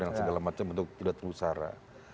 dan segala macam untuk tidak lusara